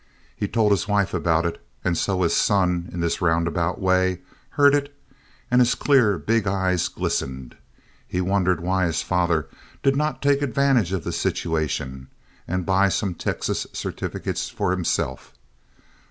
He told his wife about it, and so his son, in this roundabout way, heard it, and his clear, big eyes glistened. He wondered why his father did not take advantage of the situation and buy some Texas certificates for himself.